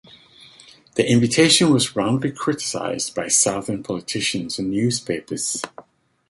The invitation was roundly criticized by southern politicians and newspapers.